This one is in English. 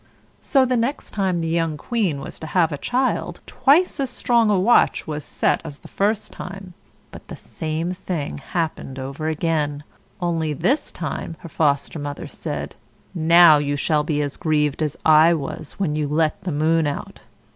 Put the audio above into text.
So the next time the young queen was to have a child, twice as strong a watch was set as the first time, but the same thing happened over again, only this time her Foster mother said: "Now you shall be as grieved as I was when you let the moon out."